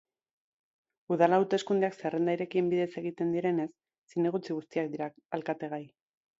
Udal hauteskundeak zerrenda irekien bidez egiten direnez, zinegotzi guztiak dira alkategai.